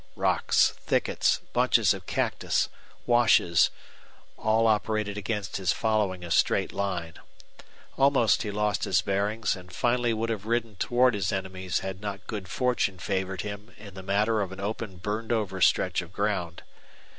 Rocks, thickets, bunches of cactus, washes all operated against his following a straight line. Almost he lost his bearings, and finally would have ridden toward his enemies had not good fortune favored him in the matter of an open burned over stretch of ground.